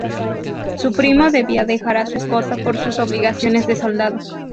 Su primo debía dejar a su esposa por sus obligaciones de soldado.